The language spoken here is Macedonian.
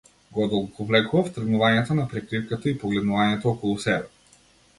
Го одолговлекував тргнувањето на прекривката и погледнувањето околу себе.